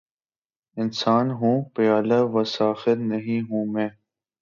انسان ہوں‘ پیالہ و ساغر نہیں ہوں میں!